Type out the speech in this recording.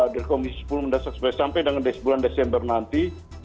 di komisi sepuluh mendesak supaya sampai dengan bulan desember nanti